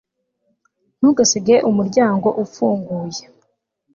ntugasige umuryango ufunguye